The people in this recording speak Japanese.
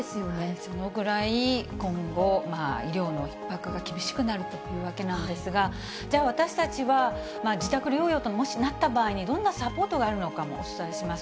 そのぐらい、今後、医療のひっ迫が厳しくなるというわけなんですが、じゃあ、私たちは自宅療養と、もしなった場合にどんなサポートがあるのかもお伝えします。